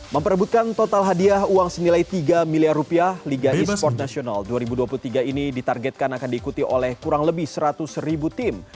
memperebutkan total hadiah uang senilai tiga miliar rupiah liga e sport nasional dua ribu dua puluh tiga ini ditargetkan akan diikuti oleh kurang lebih seratus ribu tim